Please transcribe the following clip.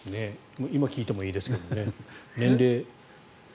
今聞いてもいいですけどね年齢。